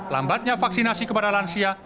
lambatnya vaksinasi kepada lansia